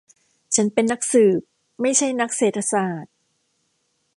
ฉันเป็นนักสืบ ไม่ใช่นักเศรษฐศาสตร์